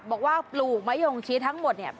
บอกว่าปลูกมะโยงชิดทั้งหมดเนี่ย